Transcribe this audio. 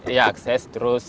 iya akses terus